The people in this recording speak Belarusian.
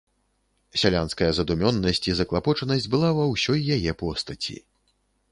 Сялянская задумёнасць і заклапочанасць была ва ўсёй яе постаці.